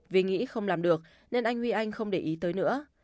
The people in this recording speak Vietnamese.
vì nghĩ không làm được nên anh huy anh không để ý tới nữa